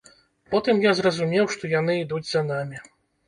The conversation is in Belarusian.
Потым я зразумеў, што яны ідуць за намі.